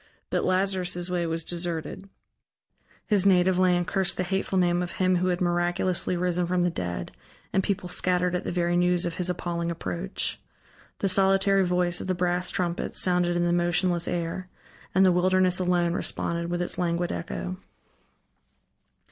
But Lazarus' way was deserted: his native land cursed the hateful name of him who had miraculously risen from the dead, and people scattered at the very news of his appalling approach. The solitary voice of the brass trumpets sounded in the motionless air, and the wilderness alone responded with its languid echo.